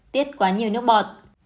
tiết quá nhiều nước bọt